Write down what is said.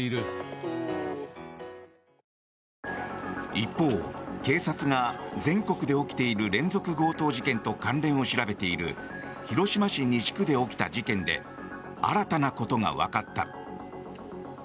一方、警察が全国で起きている連続強盗事件と関連を調べている広島市西区で起きた事件で新たなことがわかった。